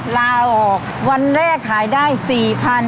ลาออกวันแรกขายได้๔๐๐บาท